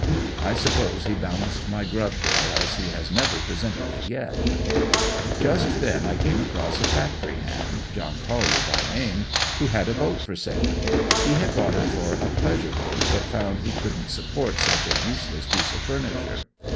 I suppose he balanced my grub bill as he has never presented it yet. Just then I came across a factory hand, John Collier by name, who had a boat for sale. He had bought it for a pleasure boat but found he couldn't support such a useless piece of furniture.